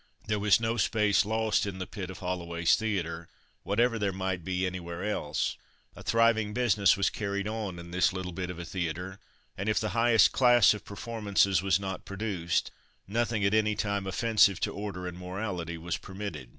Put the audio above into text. There was no space lost in the pit of Holloway's theatre, whatever there might be anywhere else. A thriving business was carried on in this little bit of a theatre, and if the highest class of performances was not produced, nothing at any time offensive to order and morality was permitted.